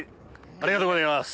ありがとうございます。